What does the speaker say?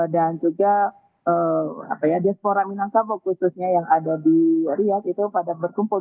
juga diaspora minangkabau khususnya yang ada di riyad itu pada berkumpul